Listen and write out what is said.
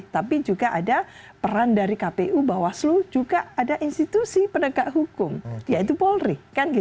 tapi juga ada peran dari kpu bawaslu juga ada institusi penegak hukum yaitu polri